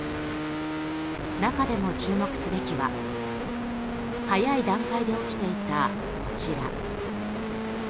中でも注目すべきは早い段階で起きていたこちら。